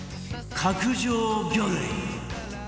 角上魚類